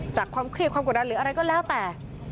ความเครียดความกดดันหรืออะไรก็แล้วแต่